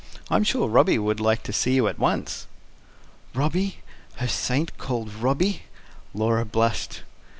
"I'm sure Robby would like to see you at once." Robby? Her saint called Robby? Laura blushed.